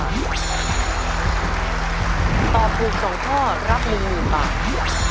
ตอบถูก๒ข้อรับ๑๐๐๐บาท